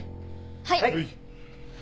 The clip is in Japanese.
はい。